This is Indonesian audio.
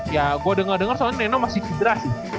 ya gue udah ngedenger soalnya neno masih sidra sih